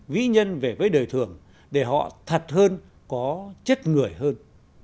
vĩ nhân về với đời thường để họ thật hơn có chất người hơn